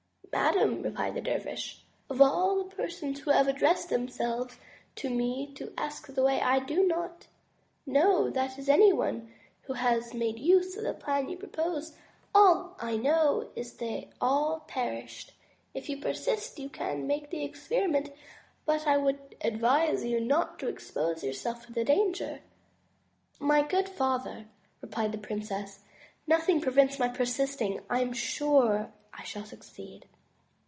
"Madame," replied the dervish, "of all the persons who have addressed themselves to me to ask the way, I do not know that anyone has made use of the plan you propose. All I know is, they all perished. If you persist, you can make the experiment, but I would advise you not to expose yourself to the danger." "My good father," replied the princess, "nothing pre vents my persisting. I am sure I shall succeed."